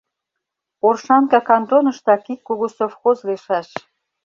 Оршанка кантоныштак ик кугу совхоз лийшаш.